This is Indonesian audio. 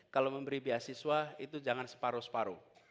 kalau memberi beasiswa itu jangan separuh separuh